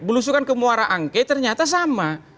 belusukan ke muara angke ternyata sama